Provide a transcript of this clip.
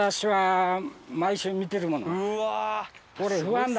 うわ！